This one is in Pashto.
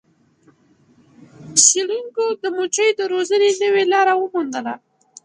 څیړونکو د مچیو د روزنې نوې لاره وموندله.